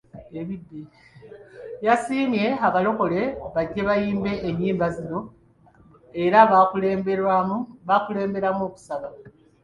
Yasiimye Abalokole bajje bayimbe ennyimba zino era bakulemberemu okusaba.